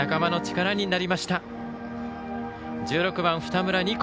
１６番、二村仁功。